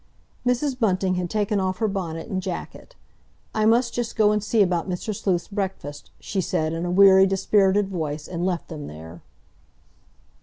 Mrs. Bunting had taken off her bonnet and jacket. "I must just go and see about Mr. Sleuth's breakfast," she said in a weary, dispirited voice, and left them there.